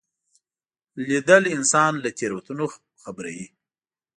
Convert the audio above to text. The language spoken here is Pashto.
لیدل انسان له تېروتنو خبروي